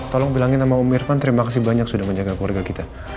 tolong bilangin sama om irfan terima kasih banyak sudah menjaga keluarga kita